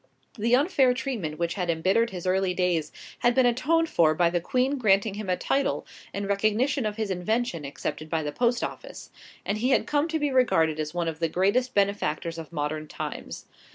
The unfair treatment which had embittered his earlier days had been atoned for by the Queen granting him a title in recognition of his invention accepted by the Post Office, and he had come to be regarded as one of the greatest benefactors of modern times.